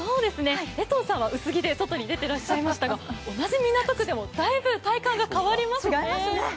江藤さんは薄着で外に出ていらっしゃいましたが、同じ港区でもだいぶ体感が違いますよね。